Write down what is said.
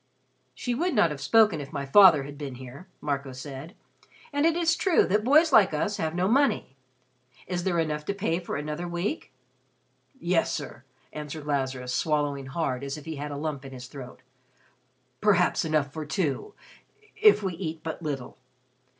"She would not have spoken if my father had been here," Marco said. "And it is true that boys like us have no money. Is there enough to pay for another week?" "Yes, sir," answered Lazarus, swallowing hard as if he had a lump in his throat, "perhaps enough for two if we eat but little.